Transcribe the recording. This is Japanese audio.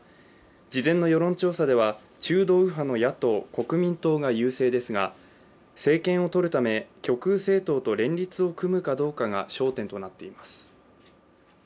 事前の世論調査では中道右派の野党・国民党が優勢ですが、政権をとるため、極右政党と連立を組むかどうかが焦点となっています。